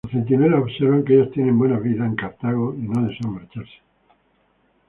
Los centinelas observan que ellos tienen buenas vidas en Cartago y no desean marcharse.